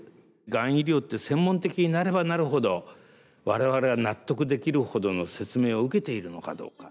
がん医療って専門的になればなるほど我々が納得できるほどの説明を受けているのかどうか。